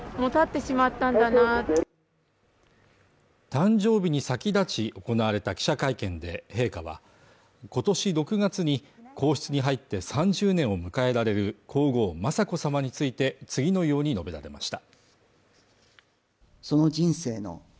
誕生日に先立ち行われた記者会見で陛下は今年６月に皇室に入って３０年を迎えられる皇后・雅子さまについて次のように述べられました。